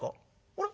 「あれ？